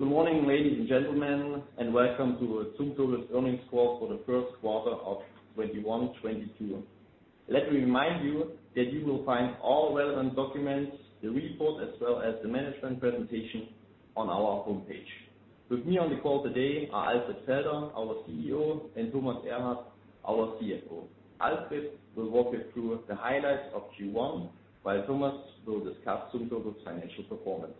Good morning, ladies and gentlemen, and welcome to Zumtobel's earnings call for the first quarter of 2021, 2022. Let me remind you that you will find all relevant documents, the report, as well as the management presentation on our homepage. With me on the call today are Alfred Felder, our CEO, and Thomas Erath, our CFO. Alfred will walk you through the highlights of Q1, while Thomas will discuss Zumtobel's financial performance.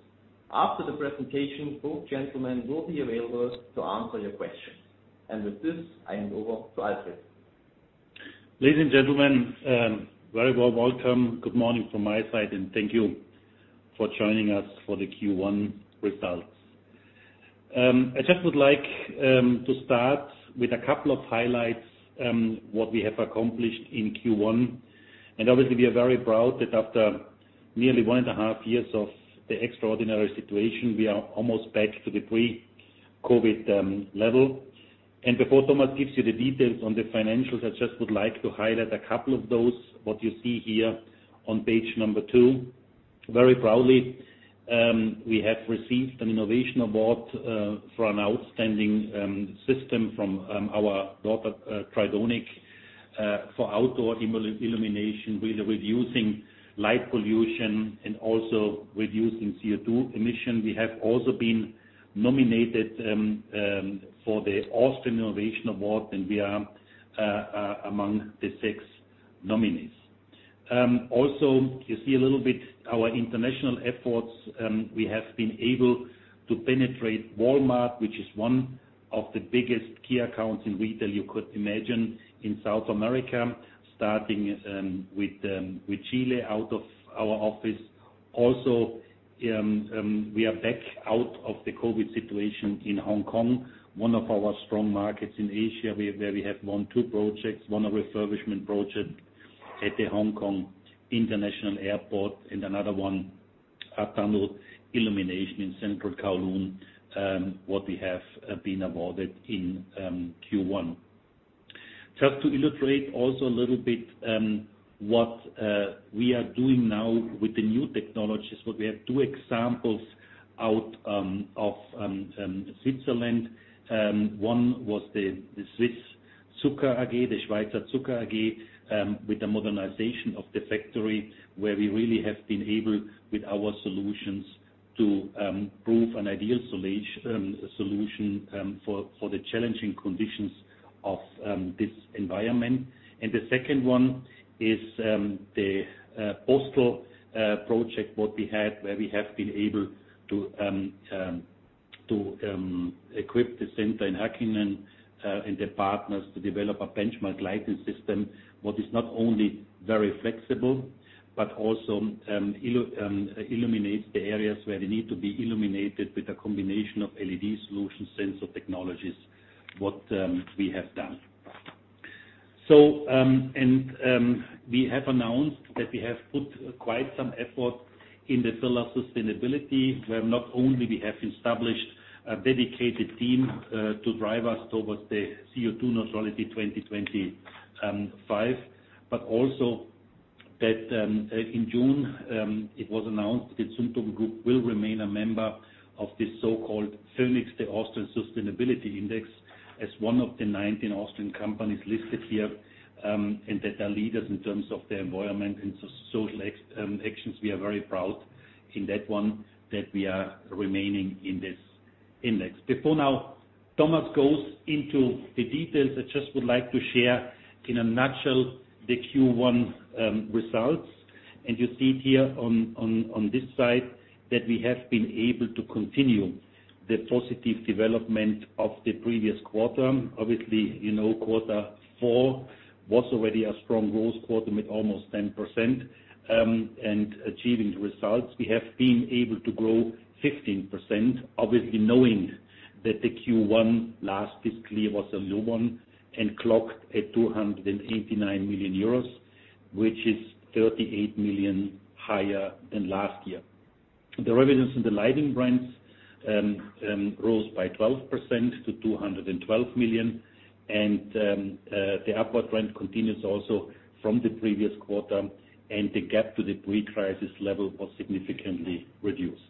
After the presentation, both gentlemen will be available to answer your questions. With this, I hand over to Alfred. Ladies and gentlemen, very warm welcome. Good morning from my side, and thank you for joining us for the Q1 results. I just would like to start with a couple of highlights, what we have accomplished in Q1. Obviously, we are very proud that after nearly 1.5 years of the extraordinary situation, we are almost back to the pre-COVID level. Before Thomas gives you the details on the financials, I just would like to highlight a couple of those, what you see here on page number 2. Very proudly, we have received an innovation award for an outstanding system from our daughter, Tridonic, for outdoor illumination, with reducing light pollution and also reducing CO2 emission. We have also been nominated for the Austrian Innovation Award, and we are among the six nominees. You see a little bit our international efforts. We have been able to penetrate Walmart, which is one of the biggest key accounts in retail you could imagine in South America, starting with Chile out of our office. We are back out of the COVID situation in Hong Kong. One of our strong markets in Asia, where we have won two projects, one a refurbishment project at the Hong Kong International Airport and another one, a tunnel illumination in Central Kowloon, what we have been awarded in Q1. To illustrate also a little bit what we are doing now with the new technologies. We have two examples out of Switzerland. One was the Schweizer Zucker AG, the Schweizer Zucker AG, with the modernization of the factory, where we really have been able, with our solutions, to prove an ideal solution for the challenging conditions of this environment. The second one is the postal project, what we had, where we have been able to equip the center in Härkingen and the partners to develop a benchmark lighting system, what is not only very flexible but also illuminates the areas where they need to be illuminated with a combination of LED solution sensor technologies, what we have done. We have announced that we have put quite some effort in the pillar of sustainability, where not only we have established a dedicated team to drive us towards the CO2 neutrality 2025. Also that in June, it was announced that Zumtobel Group will remain a member of the so-called VÖNIX, the Austrian Sustainability Index, as one of the 19 Austrian companies listed here, and that are leaders in terms of their environment and social actions. We are very proud in that one, that we are remaining in this index. Before now Thomas goes into the details, I just would like to share in a nutshell the Q1 results. You see it here on this side, that we have been able to continue the positive development of the previous quarter. Obviously, Q4 was already a strong growth quarter with almost 10%, and achieving the results. We have been able to grow 15%, obviously knowing that the Q1 last fiscal year was a low one and clocked at 289 million euros, which is 38 million higher than last year. The revenues in the lighting brands rose by 12% to 212 million, and the upward trend continues also from the previous quarter, and the gap to the pre-crisis level was significantly reduced.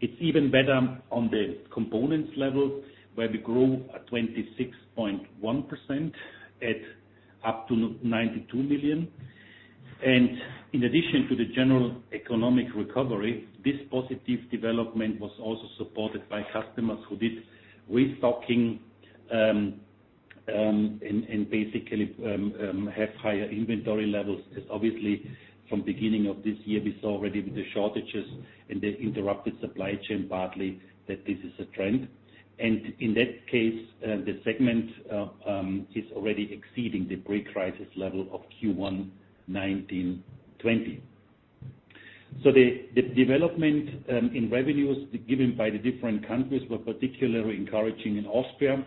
It's even better on the components level, where we grew at 26.1% at up to 92 million. In addition to the general economic recovery, this positive development was also supported by customers who did restocking and basically have higher inventory levels, because obviously from beginning of this year, we saw already with the shortages and the interrupted supply chain partly that this is a trend. In that case, the segment is already exceeding the pre-crisis level of Q1 2019/2020. The development in revenues given by the different countries were particularly encouraging in Austria,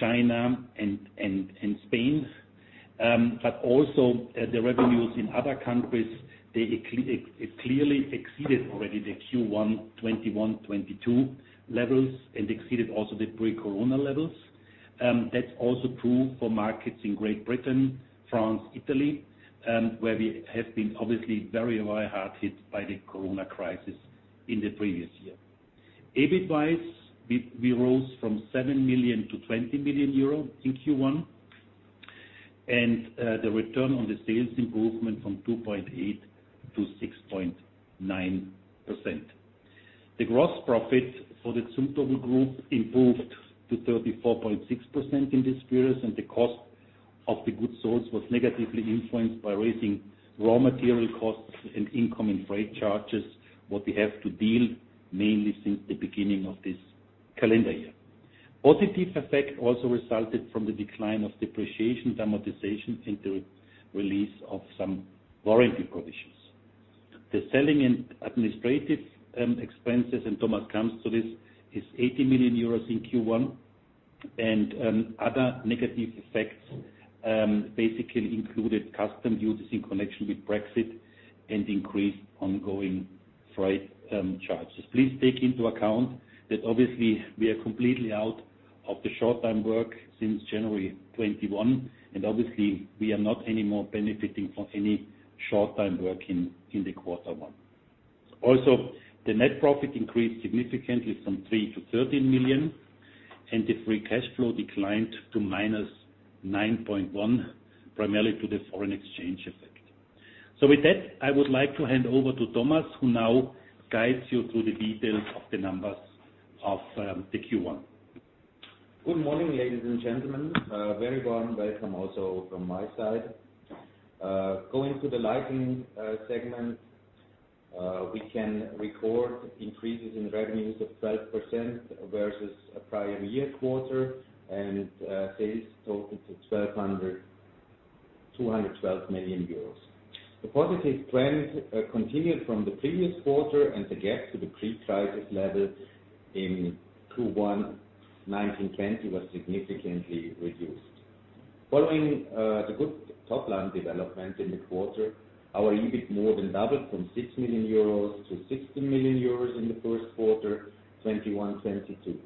China and Spain. Also the revenues in other countries, they clearly exceeded already the Q1 2021/2022 levels and exceeded also the pre-corona levels. That's also true for markets in Great Britain, France, Italy, where we have been obviously very hard hit by the COVID crisis in the previous year. EBIT-wise, we rose from 7 million to 20 million euro in Q1, and the return on the sales improvement from 2.8%-6.9%. The gross profit for the Zumtobel Group improved to 34.6% in this period, and the cost of the goods sold was negatively influenced by raising raw material costs and incoming freight charges, what we have to deal mainly since the beginning of this calendar year. Positive effect also resulted from the decline of depreciation, amortization into release of some warranty provisions. The selling and administrative expenses, and Thomas comes to this, is 80 million euros in Q1. Other negative effects basically included custom duties in connection with Brexit and increased ongoing freight charges. Please take into account that obviously we are completely out of the short-time work since January 2021. Obviously we are not anymore benefiting from any short-time work in the quarter one. The net profit increased significantly from 3 million to 13 million and the free cash flow declined to -9.1, primarily to the foreign exchange effect. With that, I would like to hand over to Thomas, who now guides you through the details of the numbers of the Q1. Good morning, ladies and gentlemen. A very warm welcome also from my side. Going to the lighting segment, we can record increases in revenues of 12% versus a prior year quarter and sales total to 212 million euros. The positive trend continued from the previous quarter and the gap to the pre-crisis level in Q1 2019, 2020 was significantly reduced. Following the good top-line development in the quarter, our EBIT more than doubled from 6 million euros to 16 million euros in the first quarter 2021, 2022.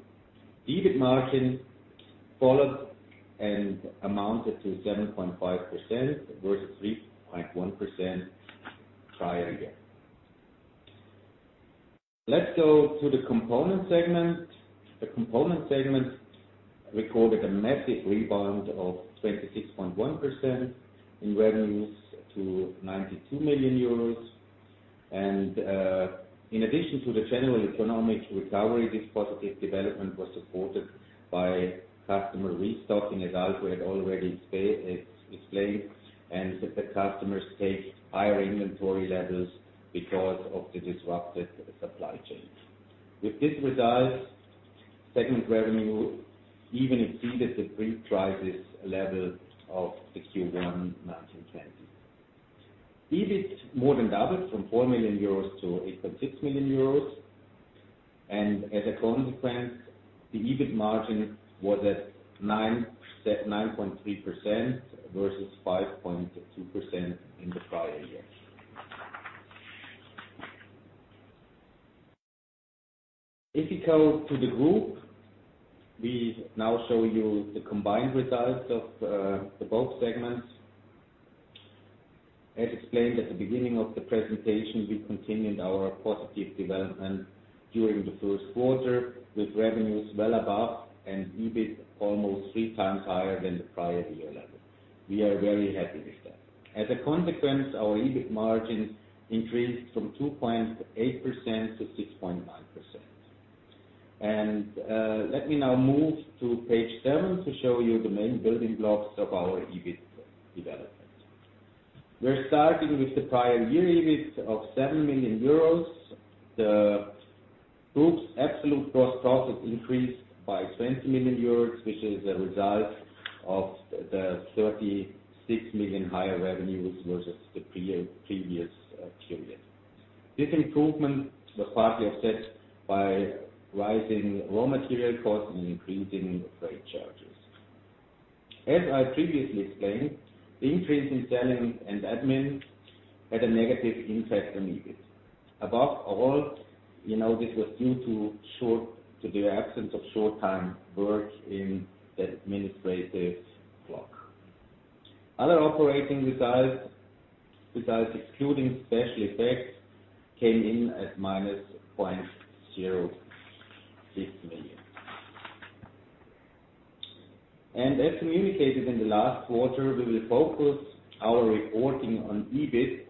EBIT margin followed and amounted to 7.5% versus 3.1% prior year. Let's go to the component segment. The component segment recorded a massive rebound of 26.1% in revenues to 92 million euros. In addition to the general economic recovery, this positive development was supported by customer restocking as Alfred had already explained, and that the customers take higher inventory levels because of the disrupted supply chain. With this result, segment revenue even exceeded the pre-crisis level of the Q1 2019, 2020. EBIT more than doubled from 4 million euros to 8.6 million euros and as a consequence, the EBIT margin was at 9.3% versus 5.2% in the prior year. If you go to the Group, we now show you the combined results of the both segments. As explained at the beginning of the presentation, we continued our positive development during the first quarter with revenues well above and EBIT almost 3x higher than the prior year level. We are very happy with that. As a consequence, our EBIT margin increased from 2.8%-6.9%. Let me now move to page seven to show you the main building blocks of our EBIT development. We're starting with the prior year EBIT of 7 million euros. The group's absolute gross profit increased by 20 million euros, which is a result of the 36 million higher revenues versus the previous period. This improvement was partly offset by rising raw material costs and increasing freight charges. As I previously explained, the increase in selling and admin had a negative impact on EBIT. Above all, this was due to the absence of short-time work in the administrative block. Other operating results, besides excluding special effects, came in at -0.06 million. As communicated in the last quarter, we will focus our reporting on EBIT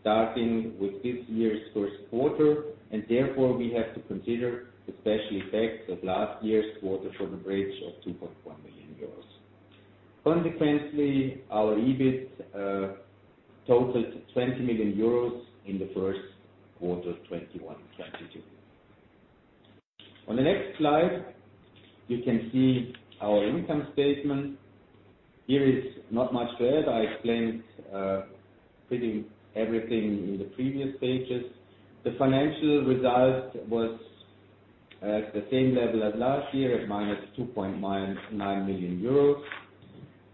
starting with this year's first quarter, and therefore we have to consider the special effects of last year's quarter for the bridge of 2.1 million euros. Consequently, our EBIT totaled 20 million euros in the first quarter 2021, 2022. On the next slide, you can see our income statement. Here is not much to add. I explained pretty everything in the previous pages. The financial result was at the same level as last year at -2.9 million euros.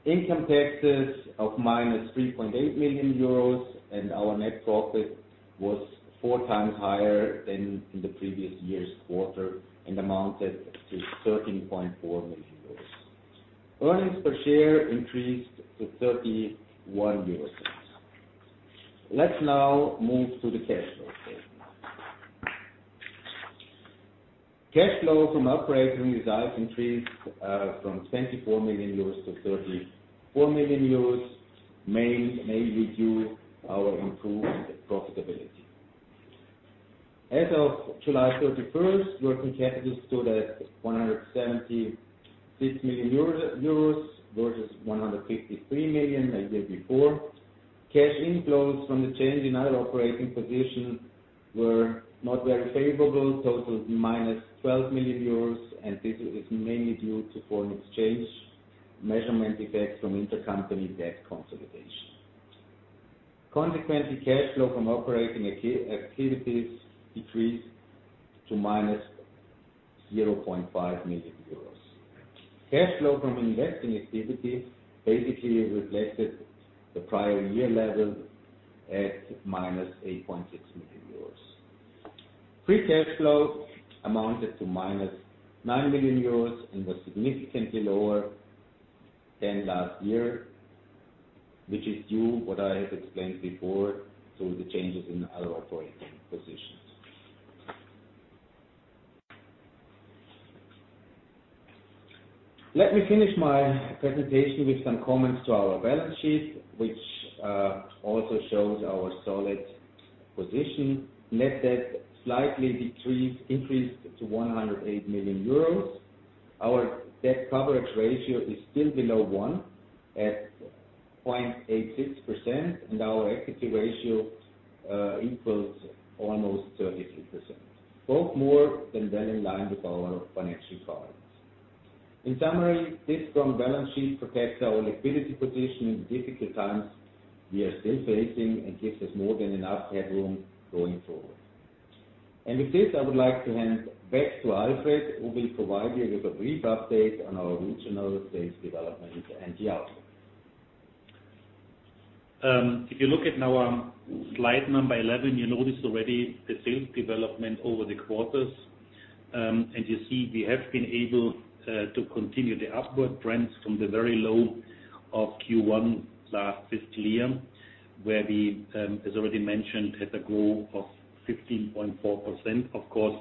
Income taxes of minus 3.8 million euros. Our net profit was four times higher than in the previous year's quarter and amounted to 13.4 million euros. Earnings per share increased to 0.31 euros. Let's now move to the cash flow statement. Cash flow from operating results increased from 24 million euros to 34 million euros, mainly due our improved profitability. As of July 31st, working capital stood at 176 million euros, versus 153 million a year before. Cash inflows from the change in our operating position were not very favorable, totaled minus 12 million euros. This is mainly due to foreign exchange measurement effects from intercompany debt consolidation. Consequently, cash flow from operating activities decreased to minus 0.5 million euros. Cash flow from investing activities basically reflected the prior year level at minus 8.6 million euros. Free cash flow amounted to minus 9 million euros and was significantly lower than last year, which is due what I have explained before through the changes in our operating positions. Let me finish my presentation with some comments to our balance sheet, which also shows our solid position. Net debt slightly increased to 108 million euros. Our debt coverage ratio is still below one at 0.86%, and our equity ratio equals almost 33%, both more than well in line with our financial targets. In summary, this strong balance sheet protects our liquidity position in difficult times we are still facing and gives us more than enough headroom going forward. With this, I would like to hand back to Alfred, who will provide you with a brief update on our regional sales development and outlook. If you look at slide number 11, you notice already the sales development over the quarters. You see we have been able to continue the upward trends from the very low of Q1 last fiscal year, where we, as already mentioned, had a growth of 15.4%, of course,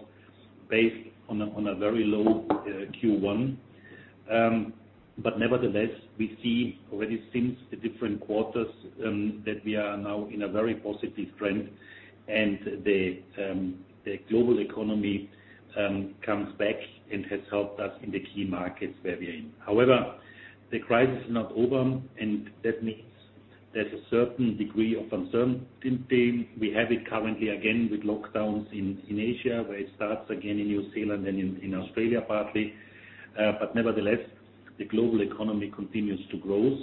based on a very low Q1. Nevertheless, we see already since the different quarters that we are now in a very positive trend and the global economy comes back and has helped us in the key markets where we are in. However, the crisis is not over, and that means there's a certain degree of uncertainty. We have it currently again with lockdowns in Asia, where it starts again in New Zealand and in Australia partly. Nevertheless, the global economy continues to grow.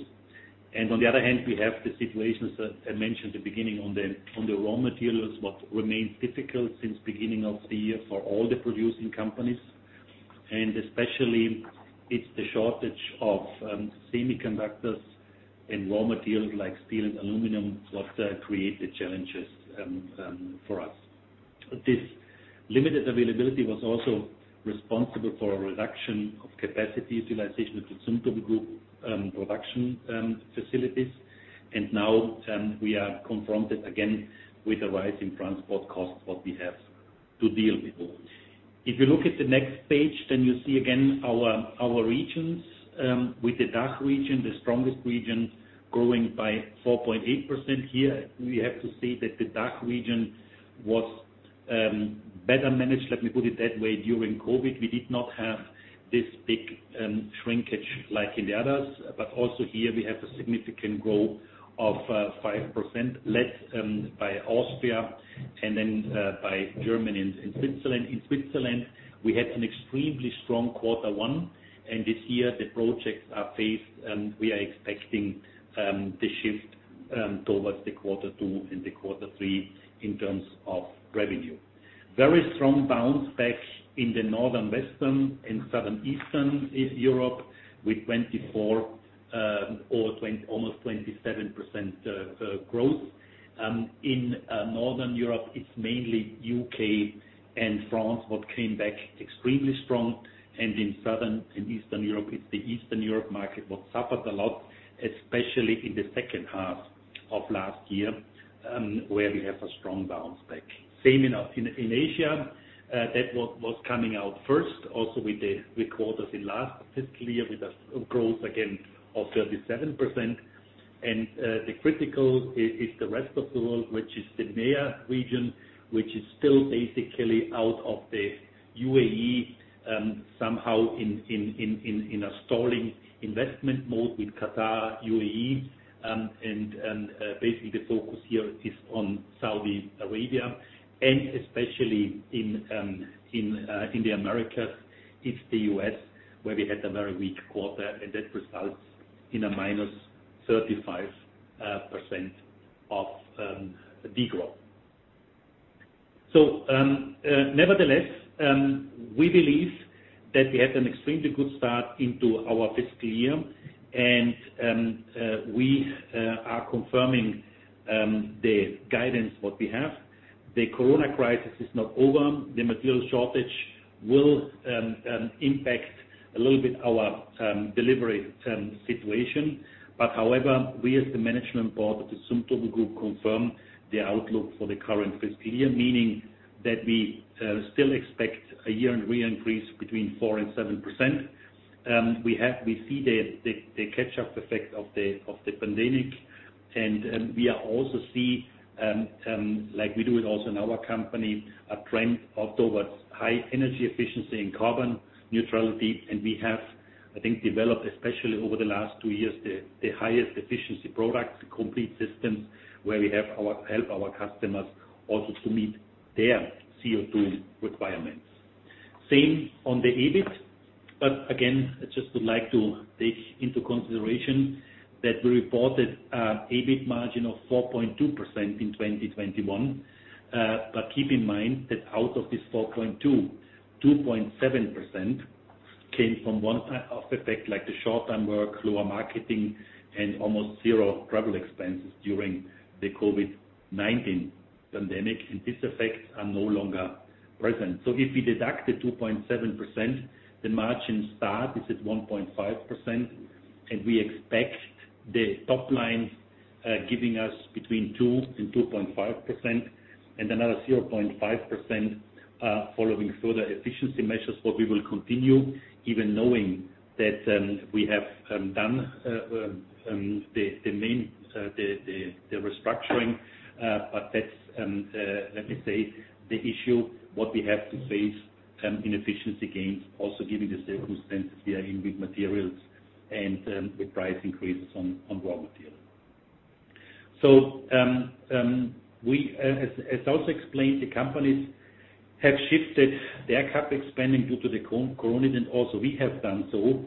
On the other hand, we have the situations that I mentioned at the beginning on the raw materials, what remains difficult since beginning of the year for all the producing companies, and especially it's the shortage of semiconductors and raw materials like steel and aluminum, what create the challenges for us. This limited availability was also responsible for a reduction of capacity utilization of the Zumtobel Group production facilities. Now we are confronted again with a rise in transport costs, what we have to deal with. If you look at the next page, then you see again our regions, with the DACH region, the strongest region, growing by 4.8%. Here we have to say that the DACH region was better managed, let me put it that way. During COVID, we did not have this big shrinkage like in the others. Also here we have a significant growth of 5%, led by Austria and then by Germany and Switzerland. In Switzerland, we had an extremely strong Q1, and this year the projects are phased, and we are expecting the shift towards the Q2 and the Q3 in terms of revenue. Very strong bounce back in the Northern Western and Southern Eastern Europe with 24% or almost 27% growth. In Northern Europe, it's mainly U.K. and France, what came back extremely strong, and in Southern and Eastern Europe, it's the Eastern Europe market what suffered a lot, especially in the second half of last year, where we have a strong bounce back. Same in Asia. That what was coming out first also with the quarters in last fiscal year with a growth again of 37%. The critical is the rest of the world, which is the MEA region, which is still basically out of the U.A.E, somehow in a stalling investment mode with Qatar, U.A.E. Basically the focus here is on Saudi Arabia and especially in the Americas, it is the U.S. where we had a very weak quarter, and that results in a -35% of de-growth. Nevertheless, we believe that we had an extremely good start into our fiscal year, and we are confirming the guidance that we have. The Corona crisis is not over. The material shortage will impact a little bit our delivery situation. However, we as the management board of the Zumtobel Group confirm the outlook for the current fiscal year, meaning that we still expect a year-on-year increase between 4% and 7%. We see the catch-up effect of the pandemic. We also see, like we do it also in our company, a trend towards high energy efficiency and carbon neutrality. We have, I think, developed, especially over the last two years, the highest efficiency products, complete systems where we help our customers also to meet their CO2 requirements. Same on the EBIT. I just would like to take into consideration that we reported a EBIT margin of 4.2% in 2021. Keep in mind that out of this 4.2, 2.7% came from one-time effects like the short-time work, lower marketing, and almost zero travel expenses during the COVID-19 pandemic. These effects are no longer present. If we deduct the 2.7%, the margin start is at 1.5%, and we expect the top line giving us between 2% and 2.5%, and another 0.5% following further efficiency measures, what we will continue, even knowing that we have done the main restructuring. That's, let me say, the issue, what we have to face in efficiency gains, also given the circumstances we are in with materials and with price increases on raw material. As also explained, the companies have shifted their CapEx spending due to the COVID, and also we have done so.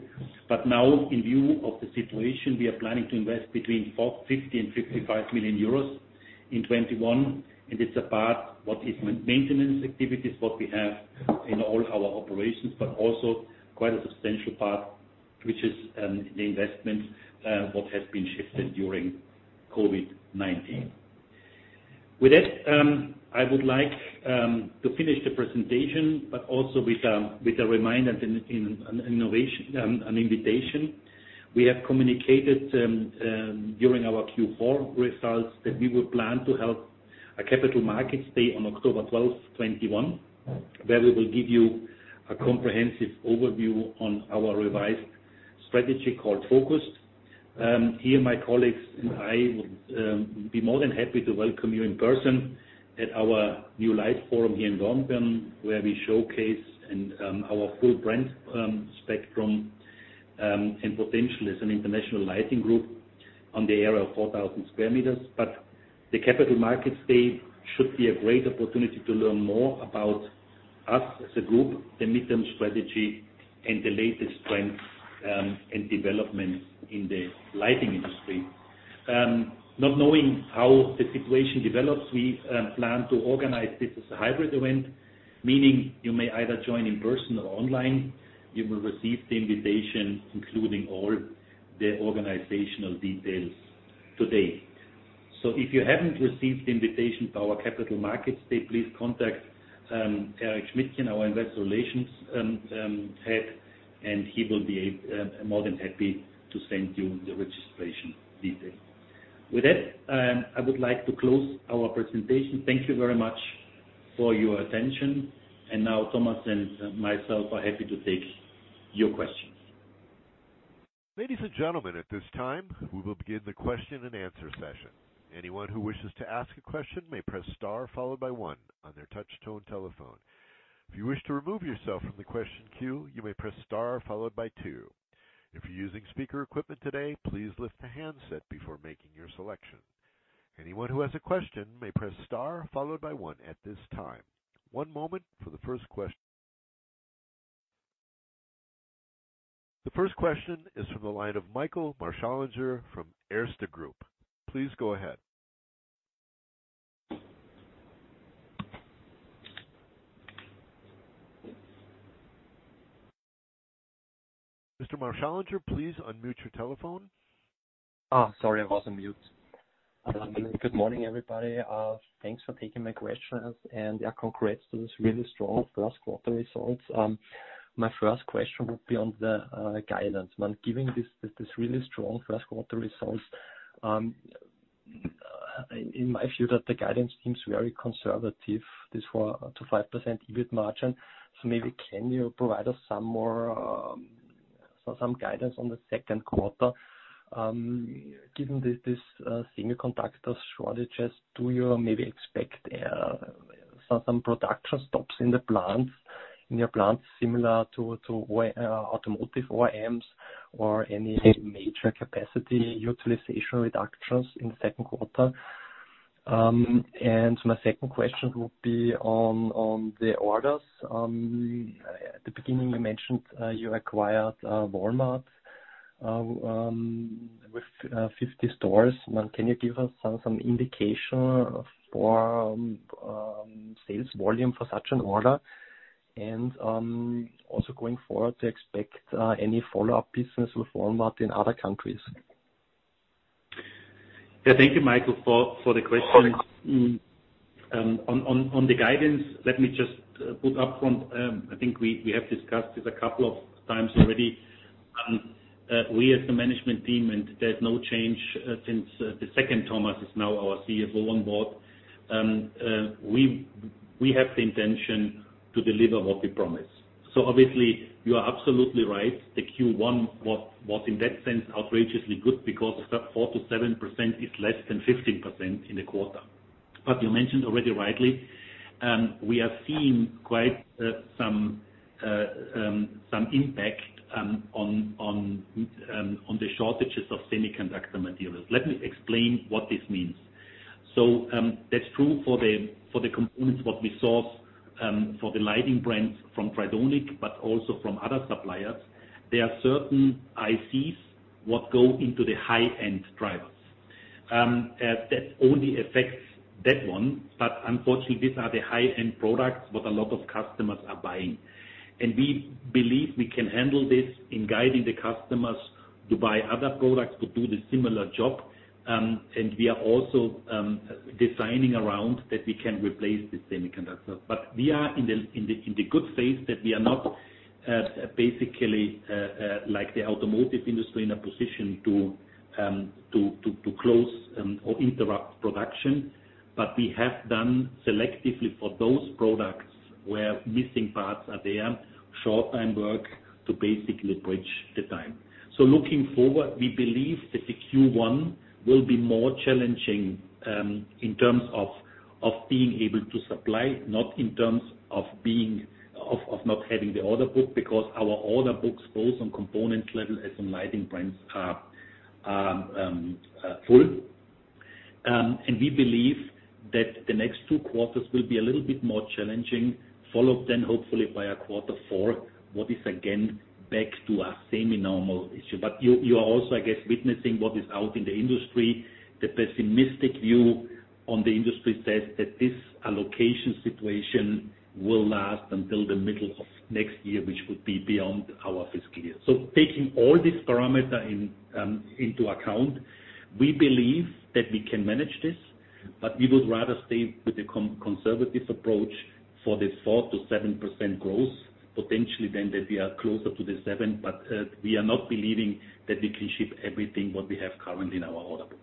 Now in view of the situation, we are planning to invest between 45 and 55 million euros in 2021. It's a part what is maintenance activities, what we have in all our operations, but also quite a substantial part, which is the investment, what has been shifted during COVID-19. With that, I would like to finish the presentation, but also with a reminder and an invitation. We have communicated during our Q4 results that we will plan to have a capital markets day on October 12th, 2021, where we will give you a comprehensive overview on our revised strategy called FOCUSED[+]. Here, my colleagues and I would be more than happy to welcome you in person at our new Light Forum here in Dornbirn, where we showcase our full brand spectrum, and potential as an international lighting group on the area of 4,000 sq m. The capital markets day should be a great opportunity to learn more about us as a group, the medium strategy, and the latest trends and developments in the lighting industry. Not knowing how the situation develops, we plan to organize this as a hybrid event, meaning you may either join in person or online. You will receive the invitation, including all the organizational details today. If you haven't received the invitation to our capital markets day, please contact Eric Schmiedchen, our investor relations head, and he will be more than happy to send you the registration details. With that, I would like to close our presentation. Thank you very much for your attention. Now Thomas and myself are happy to take your questions. Ladies and gentlemen, at this time, we will begin the question and answer session. Anyone who wishes to ask a question may press star followed by one on their touch-tone telephone. If you wish to remove yourself from the question queue, you may press star followed by two. If you're using speaker equipment today, please lift the handset before making your selection. Anyone who has a question may press star followed by one at this time. One moment for the first question. The first question is from the line of Michael Marschallinger from Erste Group. Please go ahead. Mr. Marschallinger, please unmute your telephone. Oh, sorry, I was on mute. Good morning, everybody. Thanks for taking my questions. Congrats to this really strong first quarter results. My first question would be on the guidance. Given this really strong first quarter results, in my view, that the guidance seems very conservative, this 4%-5% EBIT margin. Maybe can you provide us some guidance on the second quarter? Given these semiconductor shortages, do you maybe expect some production stops in your plants, similar to automotive OEMs, or any major capacity utilization reductions in the second quarter? My second question would be on the orders. At the beginning, you mentioned you acquired Walmart with 50 stores, can you give us some indication for sales volume for such an order? Also going forward, do you expect any follow-up business with Walmart in other countries? Thank you, Michael, for the question. On the guidance, let me just put up front. I think we have discussed this a couple of times already. We, as the management team, and there's no change since the second Thomas is now our CFO on board. We have the intention to deliver what we promise. Obviously, you are absolutely right. The Q1 was, in that sense, outrageously good because 4%-7% is less than 15% in the quarter. You mentioned already rightly, we have seen quite some impact on the shortages of semiconductor materials. Let me explain what this means. That's true for the components, what we source for the lighting brands from Tridonic, but also from other suppliers. There are certain ICs what go into the high-end drivers. That only affects that one. Unfortunately, these are the high-end products what a lot of customers are buying. We believe we can handle this in guiding the customers to buy other products to do the similar job. We are also designing around that we can replace the semiconductors. We are in the good phase that we are not basically like the automotive industry in a position to close or interrupt production. We have done selectively for those products where missing parts are there, short time work to basically bridge the time. Looking forward, we believe that the Q1 will be more challenging, in terms of being able to supply, not in terms of not having the order book, because our order books, both on components level and some lighting brands, are full. We believe that the next two quarters will be a little bit more challenging, followed then hopefully by a Q4, what is again back to a semi-normal issue. You are also, I guess, witnessing what is out in the industry. The pessimistic view on the industry says that this allocation situation will last until the middle of next year, which would be beyond our fiscal year. Taking all these parameter into account, we believe that we can manage this, but we would rather stay with the conservative approach for this 4%-7% growth, potentially then that we are closer to the 7%, but we are not believing that we can ship everything what we have currently in our order book.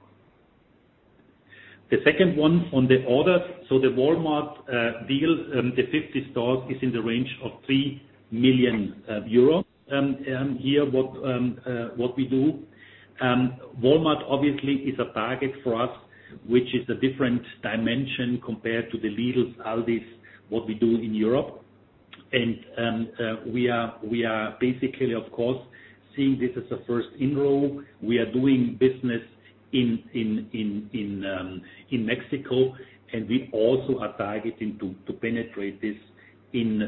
The second one on the orders. The Walmart deal, the 50 stores is in the range of 3 million euros. Here, what we do. Walmart obviously is a target for us, which is a different dimension compared to the Lidls, Aldis, what we do in Europe. We are basically, of course, seeing this as a first enroll. We are doing business in Mexico, and we also are targeting to penetrate this in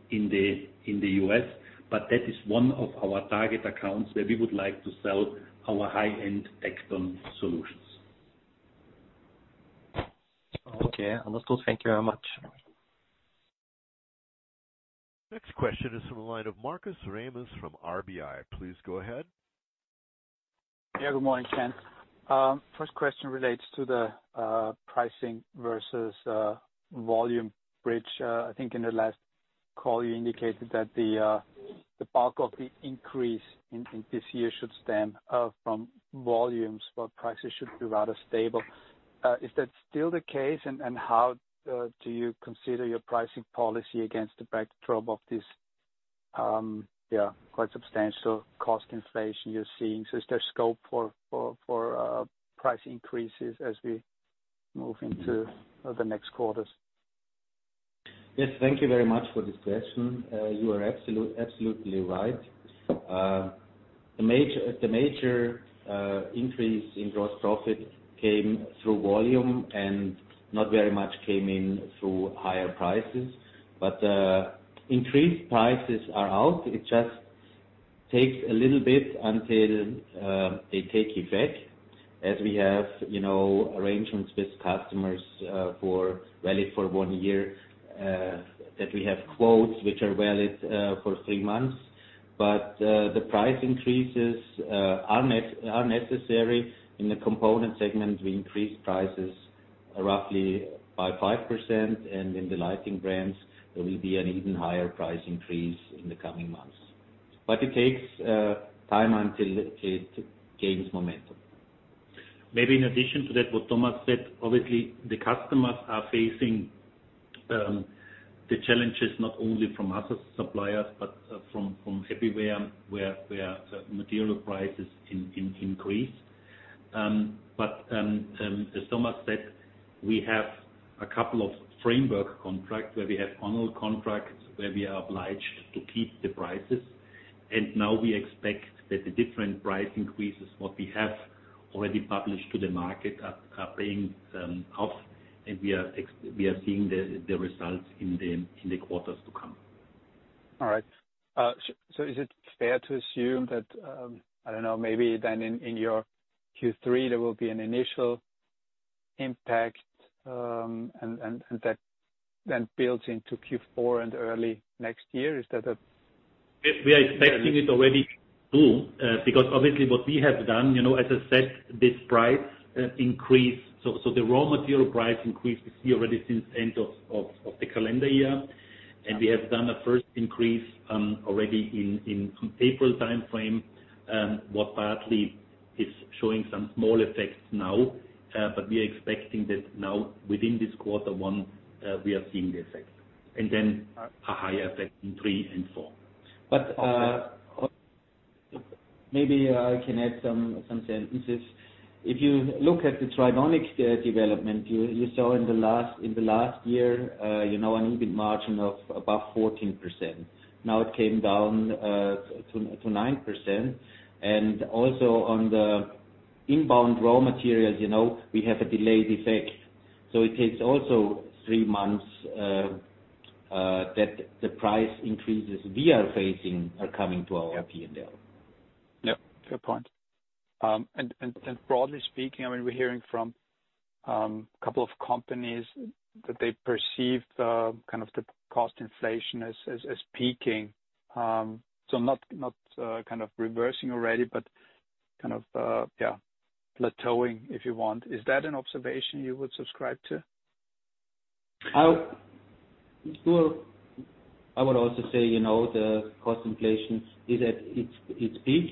the U.S. That is one of our target accounts where we would like to sell our high-end ECOOS solutions. Okay. Understood. Thank you very much. Next question is from the line of Markus Remis from RBI. Please go ahead. Yeah. Good morning, Gents. First question relates to the pricing versus volume bridge. I think in the last call, you indicated that the bulk of the increase in this year should stem from volumes, while prices should be rather stable. Is that still the case? How do you consider your pricing policy against the backdrop of this quite substantial cost inflation you're seeing? Is there scope for price increases as we move into the next quarters? Yes. Thank you very much for this question. You are absolutely right. The major increase in gross profit came through volume and not very much came in through higher prices. Increased prices are out. It just takes a little bit until they take effect as we have arrangements with customers valid for one year, that we have quotes which are valid for three months. The price increases are necessary. In the component segment, we increased prices roughly by 5%, and in the lighting brands, there will be an even higher price increase in the coming months. It takes time until it gains momentum. Maybe in addition to that, what Thomas said, obviously the customers are facing the challenges not only from us as suppliers, but from everywhere where certain material prices increase. As Thomas said, we have a couple of framework contracts where we have annual contracts where we are obliged to keep the prices. Now we expect that the different price increases, what we have already published to the market are paying off, and we are seeing the results in the quarters to come. All right. Is it fair to assume that, I don't know, maybe then in your Q3, there will be an initial impact, and that then builds into Q4 and early next year? We are expecting it already, because what we have done, as I said, this price increase. The raw material price increase we see already since end of the calendar year. We have done a first increase already in April timeframe, what partly is showing some small effects now. We are expecting that now within this quarter one, we are seeing the effect. Then a higher effect in three and four. Maybe I can add some sentences. If you look at the Tridonic development, you saw in the last year, an EBIT margin of about 14%. Now it came down to 9%. Also on the inbound raw materials, we have a delayed effect. It takes also three months that the price increases we are facing are coming to our P&L. Yep. Fair point. Broadly speaking, we're hearing from a couple of companies that they perceive the cost inflation as peaking. Not kind of reversing already, but kind of plateauing, if you want. Is that an observation you would subscribe to? Well, I would also say, the cost inflation is at its peak.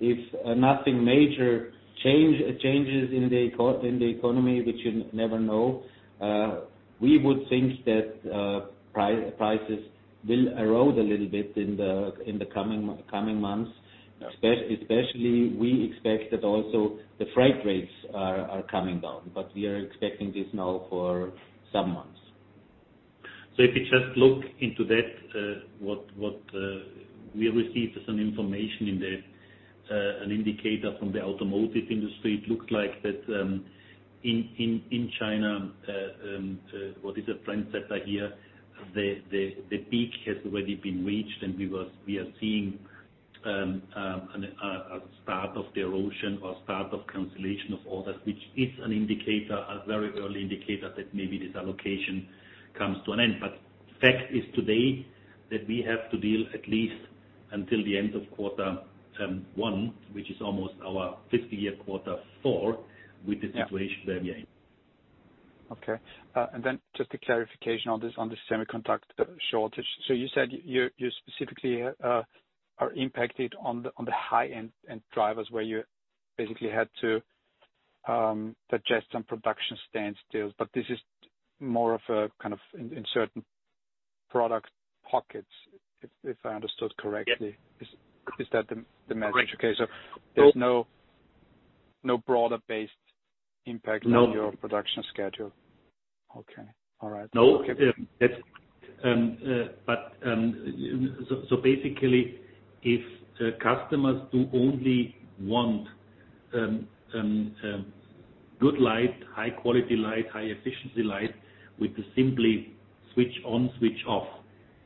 If nothing major changes in the economy, which you never know, we would think that prices will erode a little bit in the coming months. Especially, we expect that also the freight rates are coming down, but we are expecting this now for some months. If you just look into that, what we received as an information in an indicator from the automotive industry, it looked like that in China, what is a trend setter here, the peak has already been reached and we are seeing a start of the erosion or start of cancellation of orders, which is an indicator, a very early indicator, that maybe this allocation comes to an end. Fact is today that we have to deal at least until the end of quarter one, which is almost our fiscal year quarter four, with the situation where we are in. Okay. Just a clarification on the semiconductor shortage. You said you specifically are impacted on the high-end drivers where you basically had to digest some production standstills, this is more of in certain product pockets, if I understood correctly? Yep. Is that the message? Correct. Okay. there's no broader based impact. No on your production schedule. Okay. All right. No. Basically, if customers do only want good light, high quality light, high efficiency light with a simply switch on, switch off,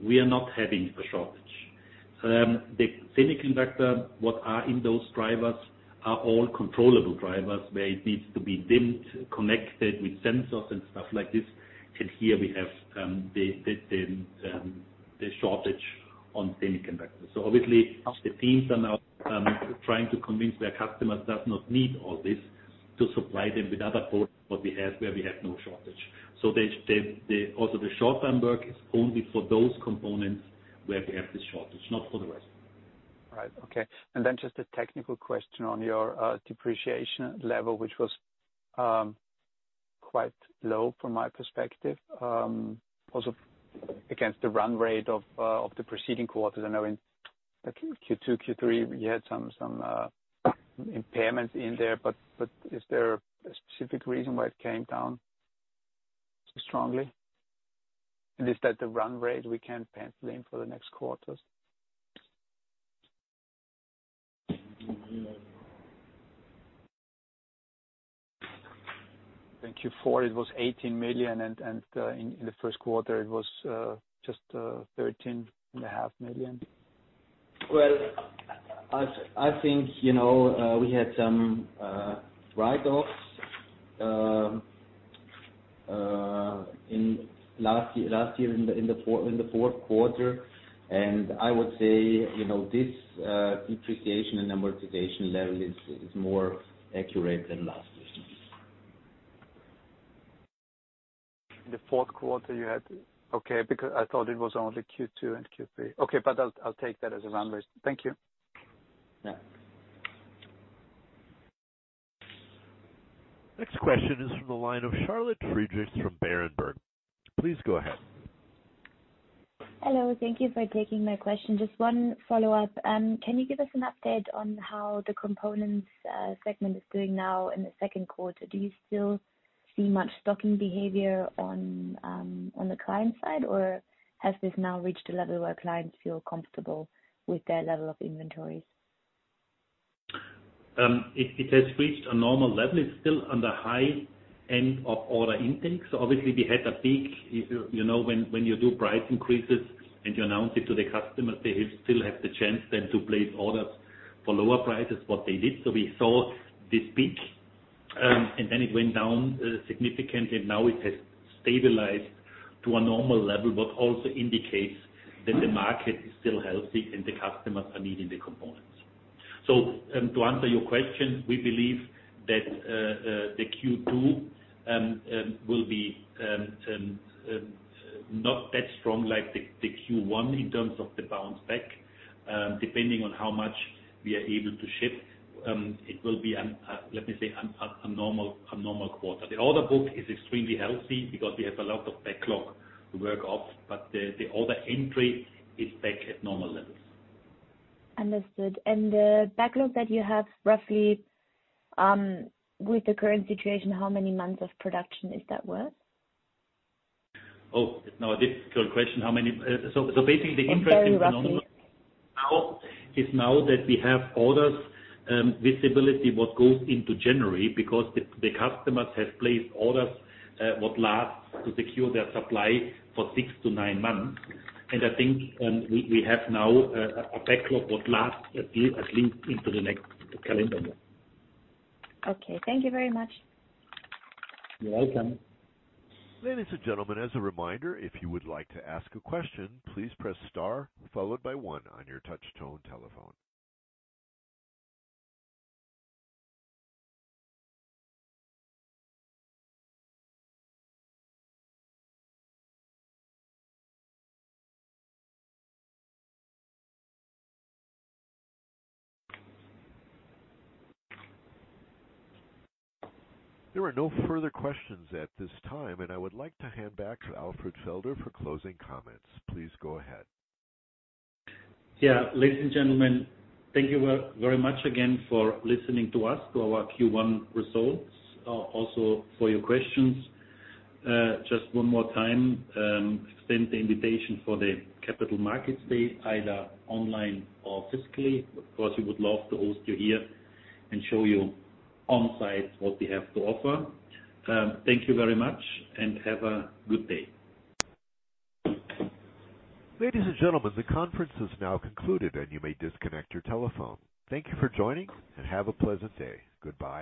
we are not having a shortage. The semiconductor, what are in those drivers are all controllable drivers where it needs to be dimmed, connected with sensors and stuff like this. Here we have the shortage on semiconductors. Obviously the teams are now trying to convince their customers does not need all this to supply them with other products what we have, where we have no shortage. Also the short-term work is only for those components where we have the shortage, not for the rest. Right. Okay. Then just a technical question on your depreciation level, which was quite low from my perspective. Also against the run rate of the preceding quarters. I know in Q2, Q3, we had some impairments in there, is there a specific reason why it came down so strongly? Is that the run rate we can pencil in for the next quarters? In Q4 it was 18 million and in the first quarter it was just 13.5 million. Well, I think, we had some write-offs last year in the fourth quarter. I would say, this depreciation and amortization level is more accurate than last year's. In the fourth quarter. Okay. I thought it was only Q2 and Q3. Okay, I'll take that as a run rate. Thank you. Yeah. Next question is from the line of Charlotte Friedrichs from Berenberg. Please go ahead. Hello. Thank you for taking my question. Just one follow-up. Can you give us an update on how the components segment is doing now in the second quarter? Do you still see much stocking behavior on the client side, or has this now reached a level where clients feel comfortable with their level of inventories? It has reached a normal level. It's still on the high end of order intake. Obviously, we had a peak. When you do price increases and you announce it to the customers, they still have the chance then to place orders for lower prices, what they did. We saw this peak, and then it went down significantly. Now it has stabilized to a normal level, but also indicates that the market is still healthy and the customers are needing the components. To answer your question, we believe that the Q2 will be not that strong like the Q1 in terms of the bounce back. Depending on how much we are able to ship, it will be, let me say, a normal quarter. The order book is extremely healthy because we have a lot of backlog to work off, but the order entry is back at normal levels. Understood. The backlog that you have, roughly, with the current situation, how many months of production is that worth? Oh, now a difficult question. Very roughly. is now that we have orders visibility what goes into January because the customers have placed orders, what lasts to secure their supply for six to nine months. I think we have now a backlog what lasts at least into the next calendar year. Okay. Thank you very much. You're welcome. There are no further questions at this time, and I would like to hand back to Alfred Felder for closing comments. Please go ahead. Yeah. Ladies and gentlemen, thank you very much again for listening to us, to our Q1 results, also for your questions. Just one more time, extend the invitation for the Capital Markets Week, either online or physically. Of course, we would love to host you here and show you on site what we have to offer. Thank you very much and have a good day. Ladies and gentlemen, the conference is now concluded and you may disconnect your telephone. Thank you for joining and have a pleasant day. Goodbye.